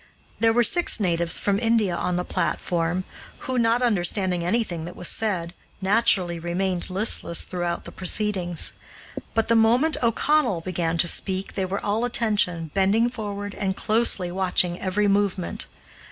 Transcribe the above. There were six natives from India on the platform who, not understanding anything that was said, naturally remained listless throughout the proceedings. But the moment O'Connell began to speak they were all attention, bending forward and closely watching every movement.